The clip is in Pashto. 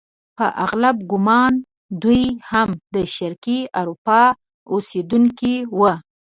په اغلب ګومان دوی هم د شرقي اروپا اوسیدونکي وو.